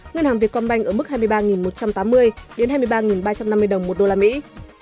ngân hàng việt công banh ở mức hai mươi ba một trăm tám mươi đến hai mươi ba ba trăm năm mươi đồng một đô la mỹ